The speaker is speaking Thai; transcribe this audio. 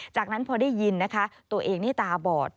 จากนั้นพอได้ยินนะคะตัวเองนี่ตาบอด